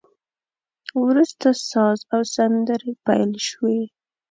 وروسته ساز او سندري پیل شوې.